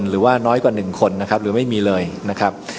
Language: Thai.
หรือว่าน้อยกว่า๑คนนะครับหรือไม่มีเลยนะครับ